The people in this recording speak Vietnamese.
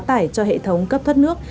nếu mà xe quá tải cho hệ thống cấp thoát nước